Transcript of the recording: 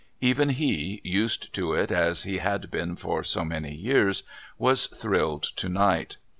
Even he, used to it as he had been for so many years, was thrilled to night.